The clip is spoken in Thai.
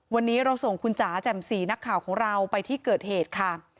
วันนี้เราส่งคุณจ๋าแจ่มสีนักข่าวของเราไปที่เกิดเหตุค่ะ